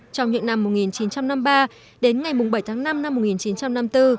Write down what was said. trong những năm một nghìn chín trăm năm mươi ba đến ngày bảy tháng năm năm một nghìn chín trăm năm mươi bốn